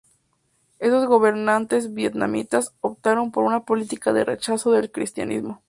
Estos gobernantes vietnamitas optaron por una política de rechazo del cristianismo.